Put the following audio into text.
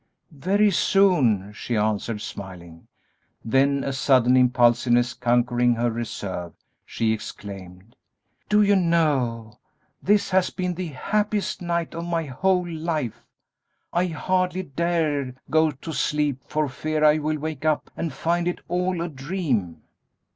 "Very soon," she answered, smiling; then, a sudden impulsiveness conquering her reserve, she exclaimed, "Do you know, this has been the happiest night of my whole life. I hardly dare go to sleep for fear I will wake up and find it all a dream."